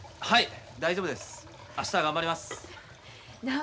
はい。